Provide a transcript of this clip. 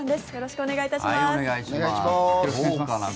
よろしくお願いします。